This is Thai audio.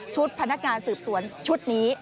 พนักงานสืบสวนชุดนี้